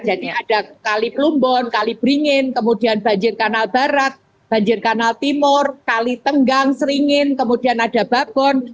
jadi ada kali plumbon kali beringin kemudian banjir kanal barat banjir kanal timur kali tenggang seringin kemudian ada babon